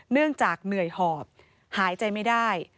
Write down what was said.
เนื่องจากเหนื่อยหอบหายใจไม่ได้